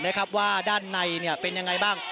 ไม่ทราบว่าตอนนี้มีการถูกยิงด้วยหรือเปล่านะครับ